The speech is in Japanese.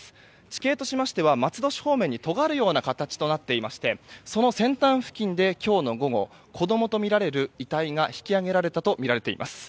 地形としては松戸市方面にとがるようになっていましてその先端付近で今日の午後子供とみられる遺体が引き上げられたとみられています。